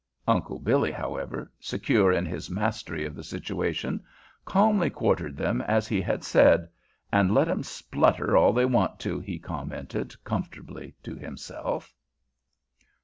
Uncle Billy, however, secure in his mastery of the situation, calmly quartered them as he had said. "An' let 'em splutter all they want to," he commented comfortably to himself.